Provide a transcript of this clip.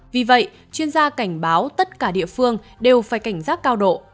vì vậy chuyên gia cảnh báo tất cả địa phương đều phải cảnh giác cao độ